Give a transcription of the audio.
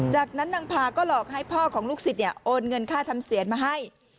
จากนั้นนางพาก็หลอกให้พ่อของลูกศิษย์โอนเงินค่าทำเสียนมาให้